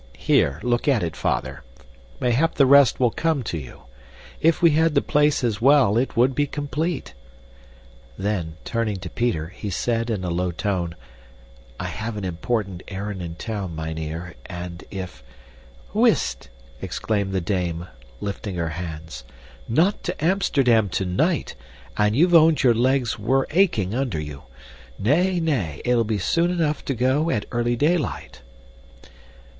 Here, look at it, father; mayhap the rest will come to you. If we had the place as well, it would be complete!" Then turning to Peter, he said in a low tone, "I have an important errand in town, mynheer, and if " "Wist!" exclaimed the dame, lifting her hands. "Not to Amsterdam tonight, and you've owned your legs were aching under you. Nay, nay it'll be soon enough to go at early daylight."